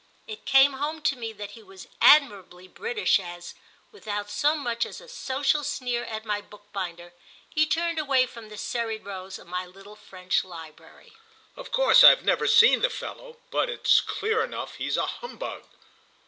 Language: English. It came home to me that he was admirably British as, without so much as a sociable sneer at my bookbinder, he turned away from the serried rows of my little French library. "Of course I've never seen the fellow, but it's clear enough he's a humbug."